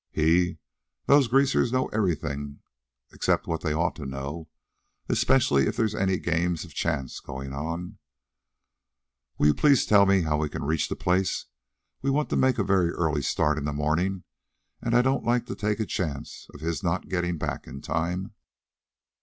"He? Those Greasers know everything except what they ought to know especially if there's any games of chance going on." "Will you please tell me how we can reach the place? We want to make a very early start in the morning, and I don't like to take a chance of his not getting back in time."